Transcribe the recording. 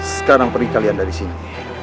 sekarang perih kalian dari sini